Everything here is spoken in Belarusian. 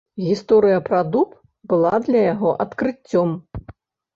Гісторыя пра дуб была для яго адкрыццём.